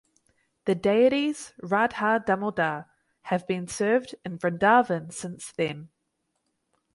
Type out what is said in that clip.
The deities Radha Damodar have been served in Vrindavan since then.